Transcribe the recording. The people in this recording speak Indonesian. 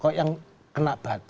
kok yang kena batu